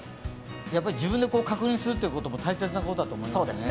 やっぱり自分で確認するっていうことも大切なことだと思いますね。